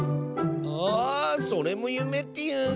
あそれもゆめっていうんスね！